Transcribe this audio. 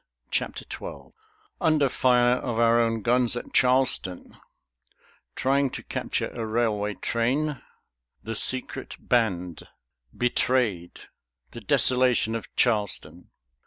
CHAPTER XII Under fire of our own guns at Charleston Trying to capture a railway train The secret band Betrayed The desolation of Charleston.